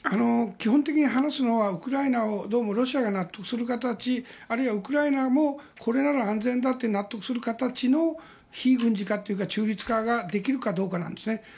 基本的に話すのはウクライナをどうもロシアが納得する形あるいはウクライナもこれなら安全だと納得する形の非軍事化というか中立化ができるかどうかなんですね。